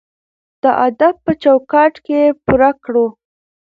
د ادب په چوکاټ کې یې پوره کړو.